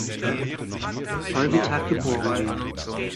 Folgetag geborgen werden.